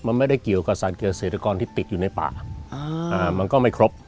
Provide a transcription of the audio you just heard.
มันไม่ได้เกี่ยวกับสารเกษตรกรที่ติดอยู่ในป่าอ่ามันก็ไม่ครบ